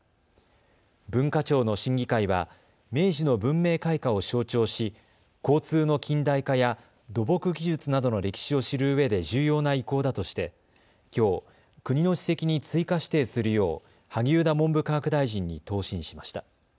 文化庁の審議会は明治の文明開化を象徴し交通の近代化や、土木技術などの歴史を知るうえで重要な遺構だとしてきょう、国の史跡に追加指定するよう萩生田文部科学大臣に答申しました。